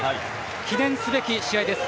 記念すべき試合です。